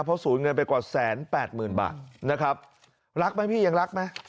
เพราะสูญเงินไปกว่าแสนแปดหมื่นบาทนะครับรักไหมพี่ยังรักไหม